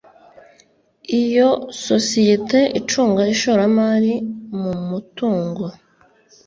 Iyo sosiyete icunga ishoramari mu mutungo